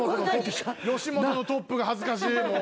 吉本のトップが恥ずかしいもう。